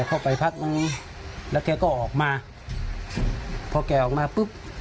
เข้าไปพักนึงแล้วแกก็ออกมาพอแกออกมาปุ๊บ